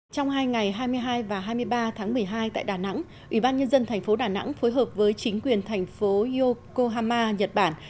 trong hai ngày hai mươi hai và hai mươi ba tháng một mươi hai tại đà nẵng ủy ban nhân dân thành phố đà nẵng phối hợp với chính quyền thành phố yokohama nhật bản